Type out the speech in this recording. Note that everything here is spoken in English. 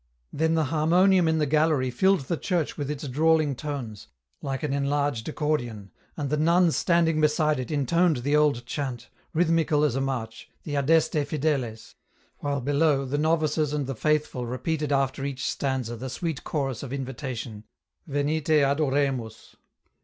Then the harmonium in the gallery filled the church with its drawling tones, like an enlarged accordion, and the nuns standing beside it intoned the old chant, rhythmical as a march, the " Adeste Fideles," while below the novices and the faithful repeated after each stanza the sweet chorus of invitation, " Venite adoremus."